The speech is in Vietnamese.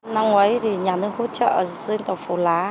năm ngoái thì nhà nó hỗ trợ dân tộc phù lá